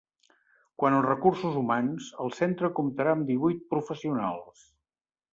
Quant als recursos humans, el centre comptarà amb divuit professionals.